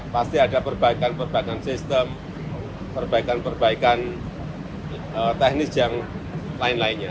pasti ada perbaikan perbaikan sistem perbaikan perbaikan teknis yang lain lainnya